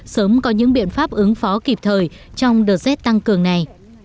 sớm có những biện pháp ứng phó kịp thời trong đợt rét tăng cường này